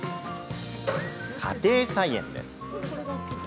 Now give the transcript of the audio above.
家庭菜園です。